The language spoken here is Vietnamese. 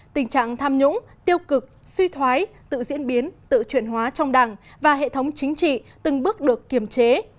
tình trạng tham nhũng tiêu cực suy thoái tự diễn biến tự chuyển hóa trong đảng và hệ thống chính trị từng bước được kiềm chế